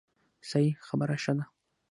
صحیح خبره ښه ده.